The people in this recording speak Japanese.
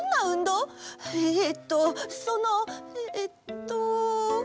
えっとそのえっと。